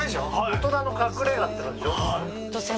大人の隠れ家って感じでしょ？